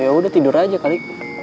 ya udah tidur aja kali